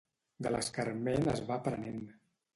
De l'escarment es va aprenent.